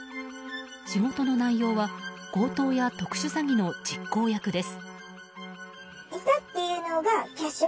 仕事の内容は強盗や特殊詐欺の実行役です。